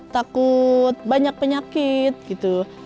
takut banyak penyakit gitu